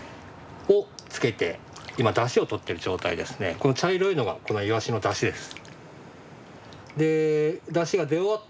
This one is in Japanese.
この茶色いのがこのイワシのだしです。